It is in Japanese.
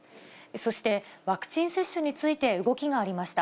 そして、ワクチン接種について動きがありました。